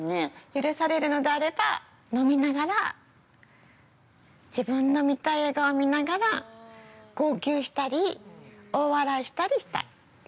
◆許されるのであれば飲みながら、自分の見たい映画を見ながら号泣したり、大笑いしたりしたい。